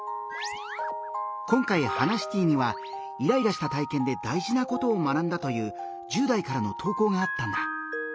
今回「ハナシティ」にはイライラした体験で大事なことを学んだという１０代からの投稿があったんだ。